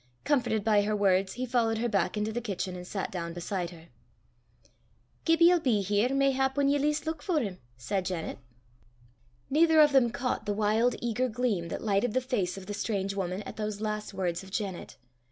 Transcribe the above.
Comforted by her words, he followed her back into the kitchen, and sat down beside her. "Gibbie 'ill be here mayhap whan least ye luik for him," said Janet. Neither of them caught the wild eager gleam that lighted the face of the strange woman at those last words of Janet.